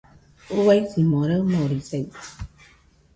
Uaisimo raɨmorisaide